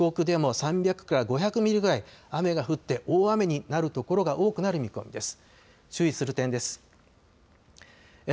四国でも３００から５００ミリぐらい雨が降って大雨になる所が多くなる見込みです。